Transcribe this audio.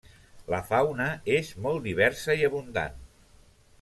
La fauna és molt diversa i abundant.